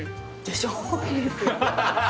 でしょ？